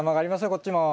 こっちも。